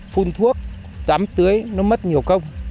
phun thuốc tắm tưới nó mất nhiều công